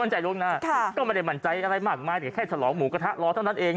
มั่นใจล่วงหน้าค่ะก็ไม่ได้มั่นใจอะไรมากมายแค่สลองหมูกระทะรอเท่านั้นเอง